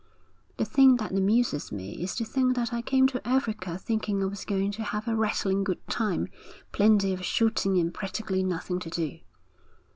'The thing that amuses me is to think that I came to Africa thinking I was going to have a rattling good time, plenty of shooting and practically nothing to do.'